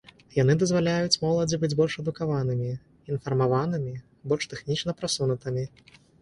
Яны дазваляюць моладзі быць больш адукаванымі, інфармаванымі, больш тэхнічна прасунутымі.